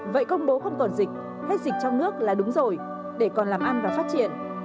vậy công bố không còn dịch hết dịch trong nước là đúng rồi để còn làm ăn và phát triển